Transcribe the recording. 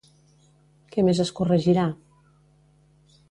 Què més es corregirà?